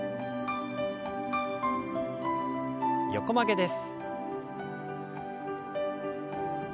横曲げです。